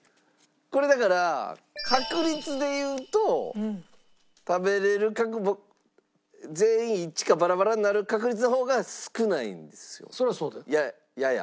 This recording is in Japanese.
これだから確率で言うと食べられる確率全員一致かバラバラになる確率の方が少ないんですよやや。